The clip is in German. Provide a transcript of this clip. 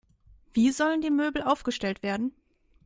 Wie sollen die Möbel aufgestellt werden?